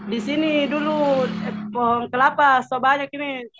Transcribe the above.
di sini dulu pohon kelapa sobanyak ini